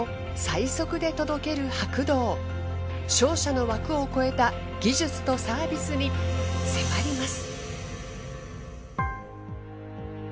商社の枠を超えた技術とサービスに迫ります。